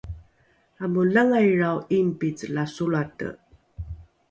amolangailrao ’ingpice la solate